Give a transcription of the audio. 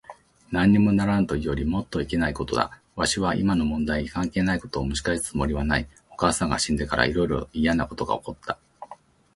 なんにもならぬというよりもっといけないことだ。わしは今の問題に関係ないことをむし返すつもりはない。お母さんが死んでから、いろいろといやなことが起った。